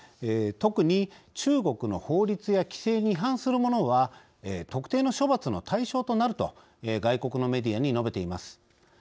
特に中国の法律や規制に違反する者は特定の処罰の対象となると外国のメディアに述べています。